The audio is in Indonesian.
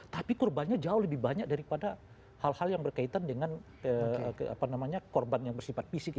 tapi korbannya jauh lebih banyak daripada hal hal yang berkaitan dengan korban yang bersifat fisik